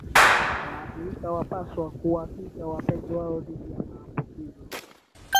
waathirika wanapaswa kuwakinga wapenzi wao dhidi ya maambukizo